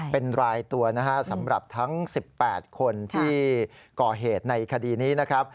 เป็นรายตัวนะฮะสำหรับทั้ง๑๘คนที่ก่อเหตุในคดีนี้นะครับ